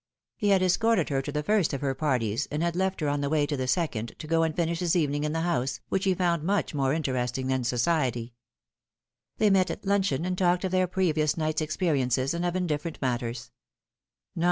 He had escorted her to the first of her parties, and had left her on the way to the second, to go and finish hia evening in the House, which he found much more interesting than society. They met at luncheon, and talked of their previous night's experiences, and of indifferent matters.